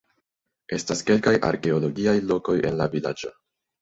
Estas kelkaj arkeologiaj lokoj en la vilaĝo.